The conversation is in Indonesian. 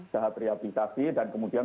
bahan rehabilitasi dan kemudian